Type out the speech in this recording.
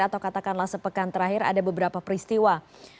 atau katakanlah sepekan terakhir ada beberapa peristiwa